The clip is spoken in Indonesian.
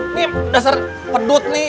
ini dasar pedut nih